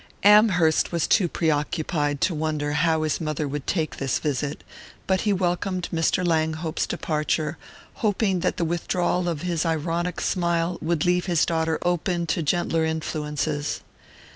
Amherst was too preoccupied to wonder how his mother would take this visit; but he welcomed Mr. Langhope's departure, hoping that the withdrawal of his ironic smile would leave his daughter open to gentler influences.